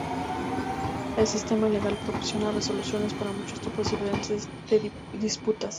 El sistema legal proporciona resoluciones para muchos tipos diferentes de disputas.